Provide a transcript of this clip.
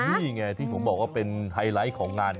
นี่ไงที่ผมบอกว่าเป็นไฮไลท์ของงาน